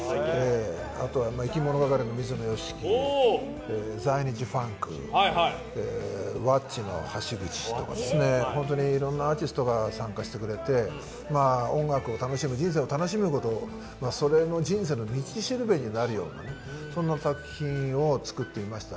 あとはいきものがかりの水野良樹在日ファンクｗａｃｃｉとか本当にいろんなアーティストが参加してくれて音楽を楽しむ、人生を楽しむことそれが人生の道しるべになるような作品を作りました。